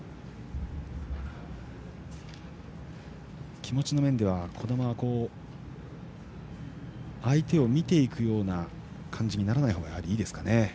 気持ちの面では児玉は相手を見ていくような感じにならないほうがいいですかね。